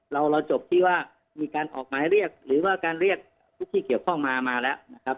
เราจบที่ว่ามีการออกหมายเรียกหรือว่าการเรียกผู้ที่เกี่ยวข้องมามาแล้วนะครับ